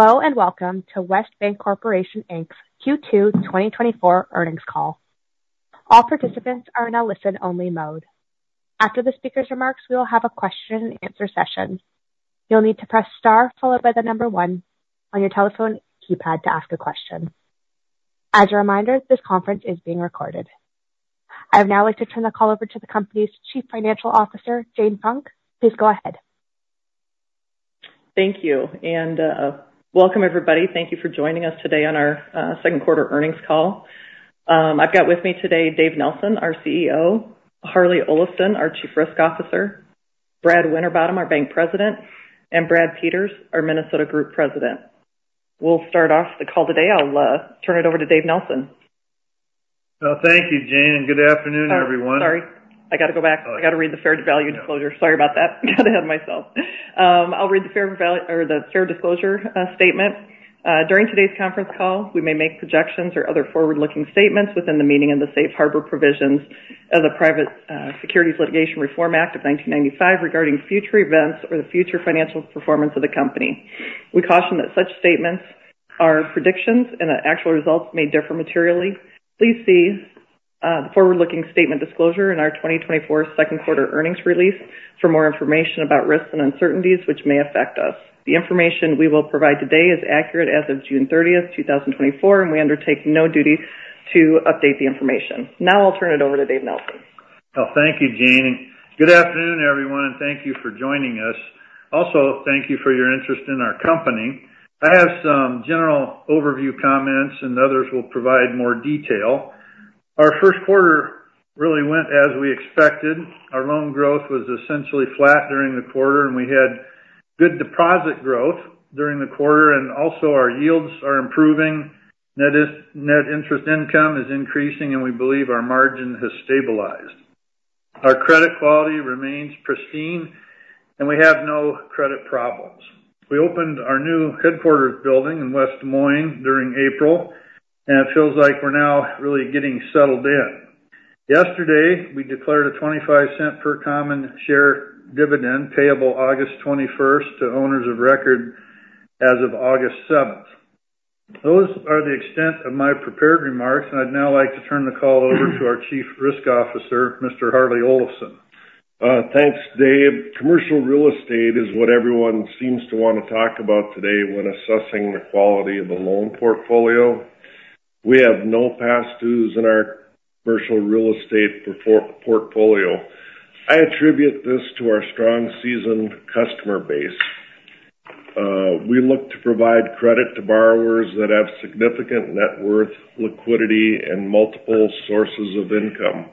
Hello, and welcome to West Bancorporation, Inc.'s Q2 2024 Earnings Call. All participants are in a listen-only mode. After the speaker's remarks, we will have a question and answer session. You'll need to press star followed by the number one on your telephone keypad to ask a question. As a reminder, this conference is being recorded. I would now like to turn the call over to the company's Chief Financial Officer, Jane Funk. Please go ahead. Thank you, and welcome, everybody. Thank you for joining us today on our second quarter earnings call. I've got with me today Dave Nelson, our CEO, Harlee Olafson, our Chief Risk Officer, Brad Winterbottom, our Bank President, and Brad Peters, our Minnesota Group President. We'll start off the call today. I'll turn it over to Dave Nelson. Thank you, Jane, and good afternoon, everyone. Sorry. I got to go back. Oh. I got to read the fair value disclosure. Sorry about that. Got ahead of myself. I'll read the fair value—or the fair disclosure, statement. During today's conference call, we may make projections or other forward-looking statements within the meaning of the Safe Harbor Provisions of the Private Securities Litigation Reform Act of 1995 regarding future events or the future financial performance of the company. We caution that such statements are predictions and that actual results may differ materially. Please see the forward-looking statement disclosure in our 2024 second quarter earnings release for more information about risks and uncertainties, which may affect us. The information we will provide today is accurate as of June 30th, 2024, and we undertake no duty to update the information. Now I'll turn it over to Dave Nelson. Well, thank you, Jane. Good afternoon, everyone, and thank you for joining us. Also, thank you for your interest in our company. I have some general overview comments, and others will provide more detail. Our first quarter really went as we expected. Our loan growth was essentially flat during the quarter, and we had good deposit growth during the quarter, and also our yields are improving. Net interest income is increasing, and we believe our margin has stabilized. Our credit quality remains pristine, and we have no credit problems. We opened our new headquarters building in West Des Moines during April, and it feels like we're now really getting settled in. Yesterday, we declared a $0.25 per common share dividend, payable August 21st to owners of record as of August 7th. Those are the extent of my prepared remarks, and I'd now like to turn the call over to our Chief Risk Officer, Mr. Harlee Olafson. Thanks, Dave. Commercial real estate is what everyone seems to want to talk about today when assessing the quality of the loan portfolio. We have no past dues in our commercial real estate portfolio. I attribute this to our strong, seasoned customer base. We look to provide credit to borrowers that have significant net worth, liquidity, and multiple sources of income.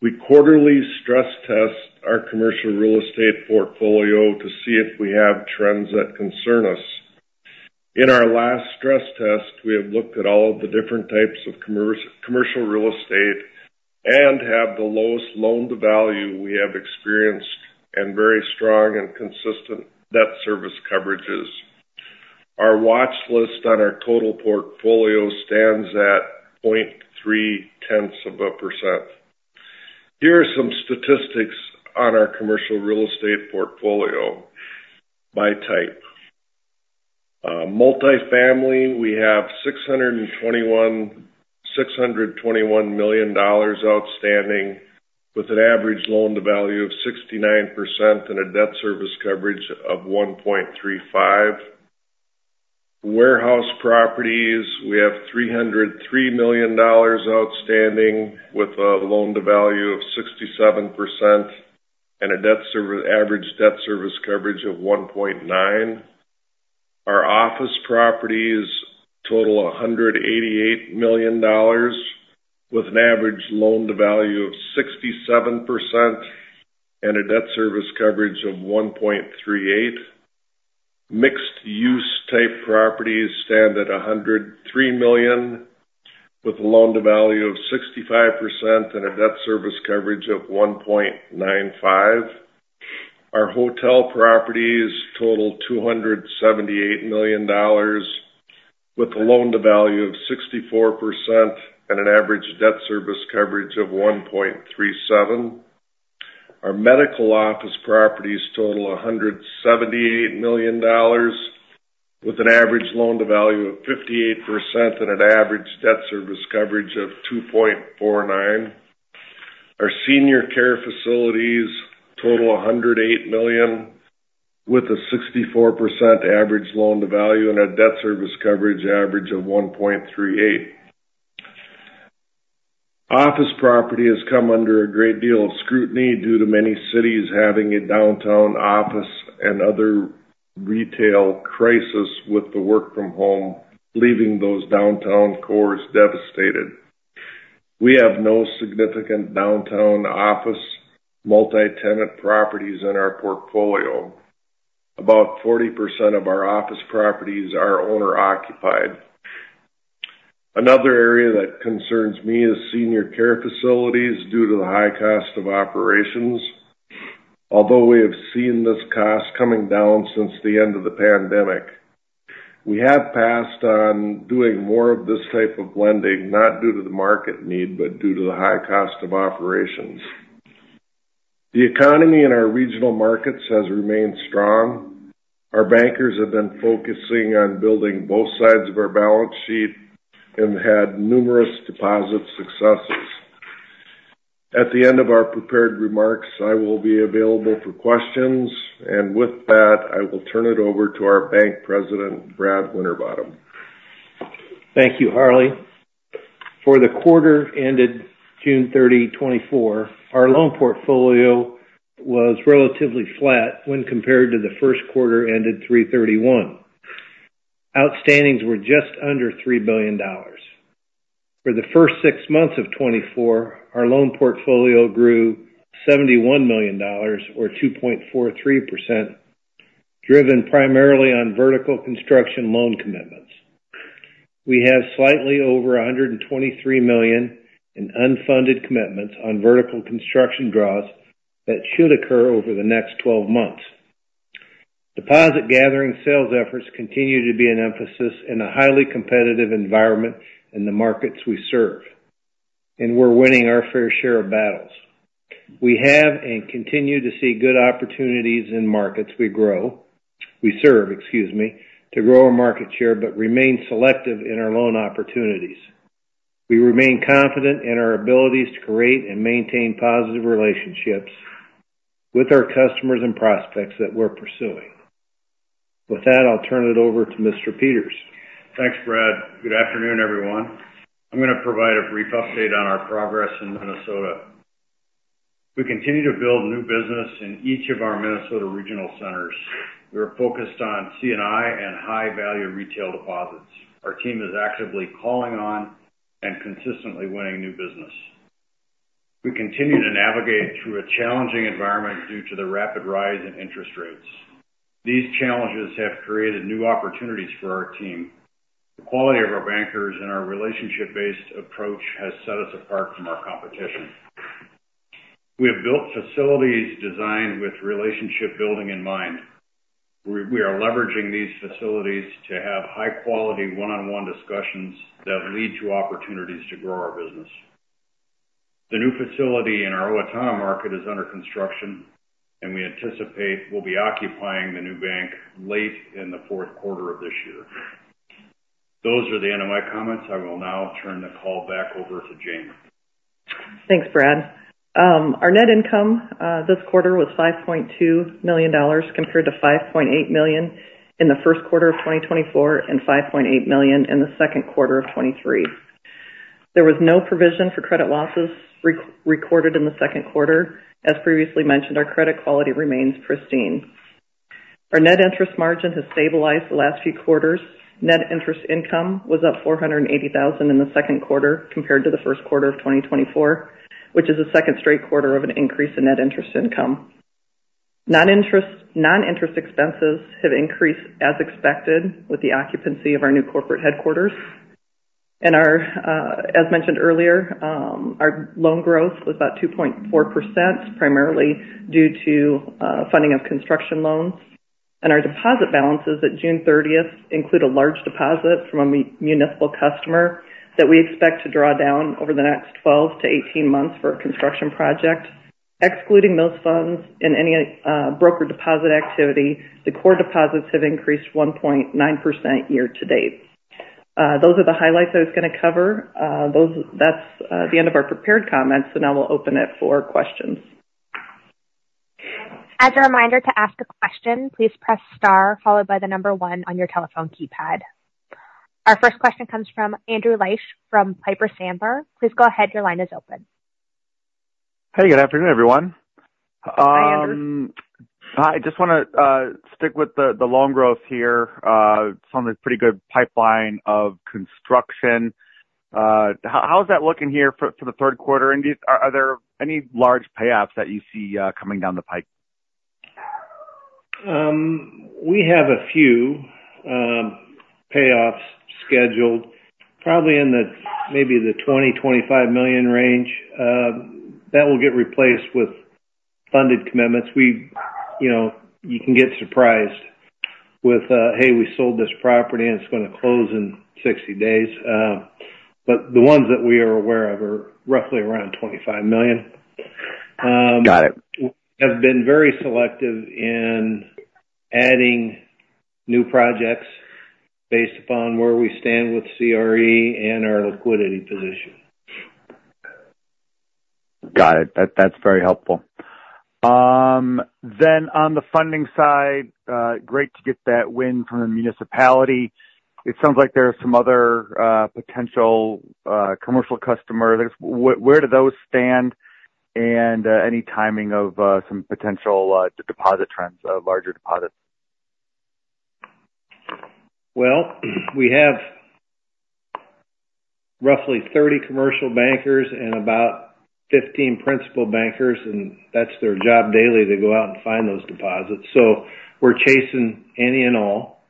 We quarterly stress test our commercial real estate portfolio to see if we have trends that concern us. In our last stress test, we have looked at all of the different types of commercial real estate and have the lowest loan-to-value we have experienced and very strong and consistent debt service coverages. Our watch list on our total portfolio stands at 0.3%. Here are some statistics on our commercial real estate portfolio by type. Multifamily, we have $621, $621 million outstanding, with an average loan-to-value of 69% and a debt service coverage of 1.35. Warehouse properties, we have $303 million outstanding, with a loan-to-value of 67% and an average debt service coverage of 1.9. Our office properties total $188 million, with an average loan-to-value of 67% and a debt service coverage of 1.38. Mixed-use type properties stand at $103 million, with a loan-to-value of 65% and a debt service coverage of 1.95. Our hotel properties total $278 million, with a loan-to-value of 64% and an average debt service coverage of 1.37. Our medical office properties total $178 million, with an average loan-to-value of 58% and an average debt service coverage of 2.49. Our senior care facilities total $108 million, with a 64% average loan-to-value and a debt service coverage average of 1.38. Office property has come under a great deal of scrutiny due to many cities having a downtown office and other retail crisis with the work from home, leaving those downtown cores devastated. We have no significant downtown office multi-tenant properties in our portfolio. About 40% of our office properties are owner-occupied. Another area that concerns me is senior care facilities due to the high cost of operations. Although we have seen this cost coming down since the end of the pandemic, we have passed on doing more of this type of lending, not due to the market need, but due to the high cost of operations.... The economy in our regional markets has remained strong. Our bankers have been focusing on building both sides of our balance sheet and had numerous deposit successes. At the end of our prepared remarks, I will be available for questions, and with that, I will turn it over to our Bank President, Brad Winterbottom. Thank you, Harlee. For the quarter ended June 30, 2024, our loan portfolio was relatively flat when compared to the first quarter, ended March 31. Outstandings were just under $3 billion. For the first six months of 2024, our loan portfolio grew $71 million or 2.43%, driven primarily on vertical construction loan commitments. We have slightly over $123 million in unfunded commitments on vertical construction draws that should occur over the next 12 months. Deposit gathering sales efforts continue to be an emphasis in a highly competitive environment in the markets we serve, and we're winning our fair share of battles. We have and continue to see good opportunities in markets we grow—we serve, excuse me, to grow our market share, but remain selective in our loan opportunities. We remain confident in our abilities to create and maintain positive relationships with our customers and prospects that we're pursuing. With that, I'll turn it over to Mr. Peters. Thanks, Brad. Good afternoon, everyone. I'm gonna provide a brief update on our progress in Minnesota. We continue to build new business in each of our Minnesota regional centers. We're focused on C&I and high-value retail deposits. Our team is actively calling on and consistently winning new business. We continue to navigate through a challenging environment due to the rapid rise in interest rates. These challenges have created new opportunities for our team. The quality of our bankers and our relationship-based approach has set us apart from our competition. We have built facilities designed with relationship building in mind. We are leveraging these facilities to have high-quality one-on-one discussions that lead to opportunities to grow our business. The new facility in our Owatonna market is under construction, and we anticipate we'll be occupying the new bank late in the fourth quarter of this year. Those are the end of my comments. I will now turn the call back over to Jane. Thanks, Brad. Our net income this quarter was $5.2 million, compared to $5.8 million in the first quarter of 2024 and $5.8 million in the second quarter of 2023. There was no provision for credit losses recorded in the second quarter. As previously mentioned, our credit quality remains pristine. Our net interest margin has stabilized the last few quarters. Net interest income was up $480,000 in the second quarter compared to the first quarter of 2024, which is the second straight quarter of an increase in net interest income. Non-interest expenses have increased as expected with the occupancy of our new corporate headquarters. As mentioned earlier, our loan growth was about 2.4%, primarily due to funding of construction loans. Our deposit balances at June 30th include a large deposit from a municipal customer that we expect to draw down over the next 12-18 months for a construction project. Excluding those funds and any brokered deposit activity, the core deposits have increased 1.9% year to date. Those are the highlights I was gonna cover. That's the end of our prepared comments, and now we'll open it for questions. As a reminder, to ask a question, please press star, followed by the number one on your telephone keypad. Our first question comes from Andrew Liesch from Piper Sandler. Please go ahead. Your line is open. Hey, good afternoon, everyone. Hi, Andrew. Hi, just wanna stick with the loan growth here. It's on a pretty good pipeline of construction. How is that looking here for the third quarter? And are there any large payoffs that you see coming down the pipe? We have a few payoffs scheduled, probably in the maybe the 20-25 million range. That will get replaced with funded commitments. We, you know, you can get surprised with, "Hey, we sold this property, and it's gonna close in 60 days." But the ones that we are aware of are roughly around $25 million. Got it. Have been very selective in adding new projects based upon where we stand with CRE and our liquidity position. Got it. That's very helpful. Then on the funding side, great to get that win from the municipality. It sounds like there are some other potential commercial customers. Where do those stand, and any timing of some potential deposit trends, larger deposits? Well, we have roughly 30 commercial bankers and about 15 principal bankers, and that's their job daily, to go out and find those deposits. So we're chasing any and all.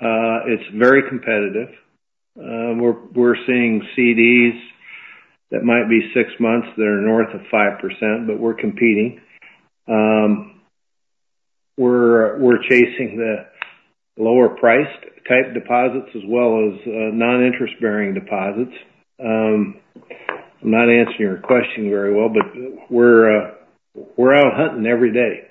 It's very competitive. We're seeing CDs that might be six months that are north of 5%, but we're competing. We're chasing the lower priced type deposits as well as non-interest bearing deposits. I'm not answering your question very well, but we're out hunting every day.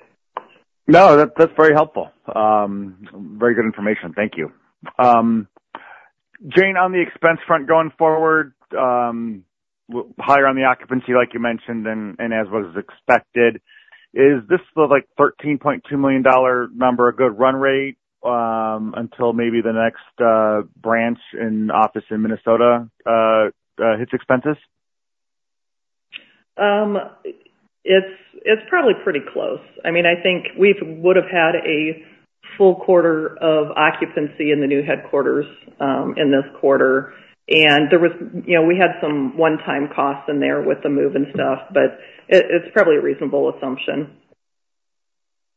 No, that, that's very helpful. Very good information. Thank you. Jane, on the expense front going forward, higher on the occupancy like you mentioned and, and as was expected, is this the, like, $13.2 million number a good run rate until maybe the next branch and office in Minnesota hits expenses? It's, it's probably pretty close. I mean, I think we would have had a full quarter of occupancy in the new headquarters in this quarter. And there was, you know, we had some one-time costs in there with the move and stuff, but it's probably a reasonable assumption.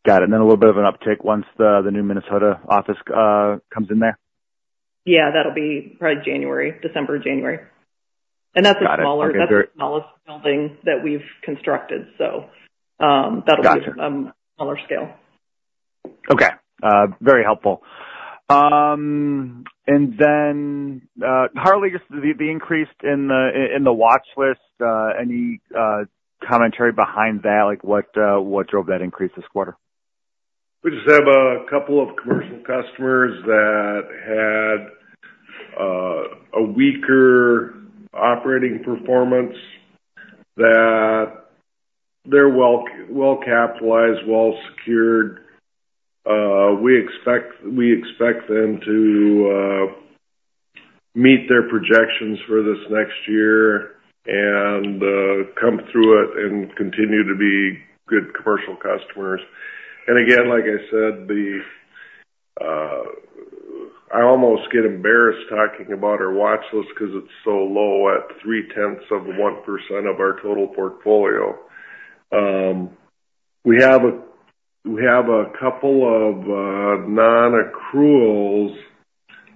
Got it. And then a little bit of an uptick once the new Minnesota office comes in there? Yeah, that'll be probably January, December, January. Got it. That's a smaller, that's the smallest building that we've constructed, so Got you. That'll be smaller scale. Okay. Very helpful. And then, Harlee, just the increase in the watchlist, any commentary behind that? Like, what drove that increase this quarter? We just have a couple of commercial customers that had a weaker operating performance, that they're well, well capitalized, well secured. We expect, we expect them to meet their projections for this next year and come through it and continue to be good commercial customers. And again, like I said, I almost get embarrassed talking about our watchlist because it's so low at 0.3% of our total portfolio. We have a, we have a couple of non-accruals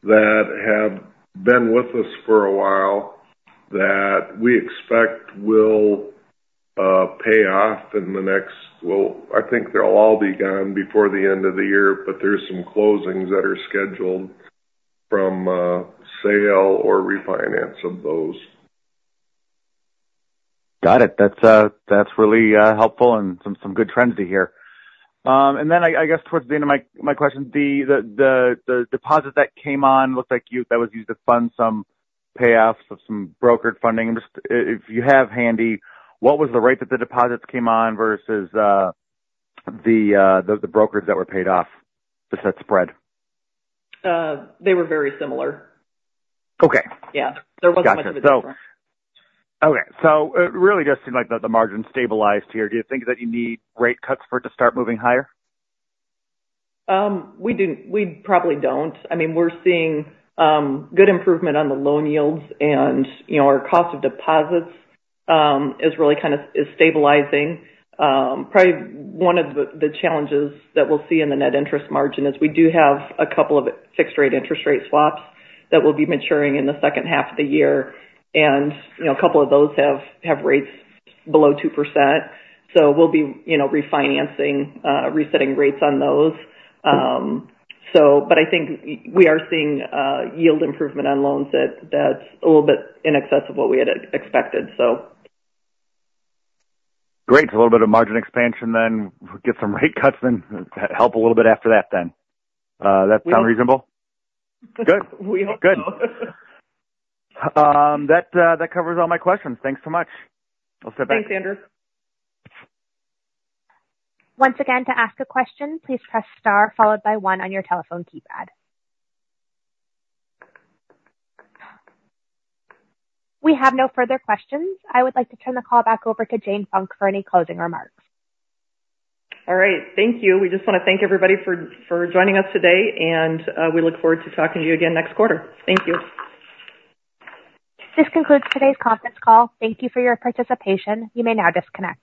that have been with us for a while, that we expect will pay off in the next. Well, I think they'll all be gone before the end of the year, but there's some closings that are scheduled from sale or refinance of those. Got it. That's really helpful and some good trends to hear. And then I guess towards the end of my question, the deposit that came on looked like you, that was used to fund some payoffs of some brokered funding. Just if you have handy, what was the rate that the deposits came on versus the brokers that were paid off, just that spread? They were very similar. Okay. Yeah. Gotcha. There wasn't much of a difference. Okay, so it really does seem like the margin stabilized here. Do you think that you need rate cuts for it to start moving higher? We probably don't. I mean, we're seeing good improvement on the loan yields, and, you know, our cost of deposits is really kind of is stabilizing. Probably one of the challenges that we'll see in the net interest margin is we do have a couple of fixed rate interest rate swaps that will be maturing in the second half of the year. And, you know, a couple of those have rates below 2%. So we'll be, you know, refinancing, resetting rates on those. So but I think we are seeing yield improvement on loans that's a little bit in excess of what we had expected, so. Great. So a little bit of margin expansion, then we'll get some rate cuts and help a little bit after that, then. Yeah. Does that sound reasonable? Good. We hope so. Good. That covers all my questions. Thanks so much. I'll stand back. Thanks, Andrew. Once again, to ask a question, please press star followed by one on your telephone keypad. We have no further questions. I would like to turn the call back over to Jane Funk for any closing remarks. All right. Thank you. We just want to thank everybody for joining us today, and we look forward to talking to you again next quarter. Thank you. This concludes today's conference call. Thank you for your participation. You may now disconnect.